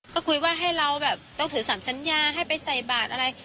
ก็คุยว่าเอาถือ๓ฉันยาให้ไปใส่บาทอะไร